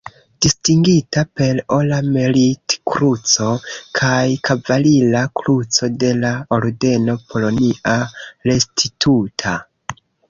Distingita per Ora Merit-Kruco kaj Kavalira Kruco de la Ordeno "Polonia Restituta".